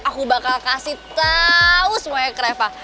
aku bakal kasih tahu semuanya ke reva